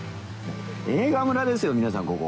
映画村ですよ皆さん